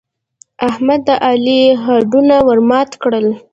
احمد د علي هډونه ور مات کړل.